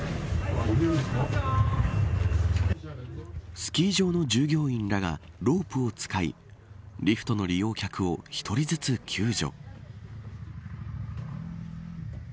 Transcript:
スキー場の従業員らがロープを使いリフトの利用客を１人ずつ救助。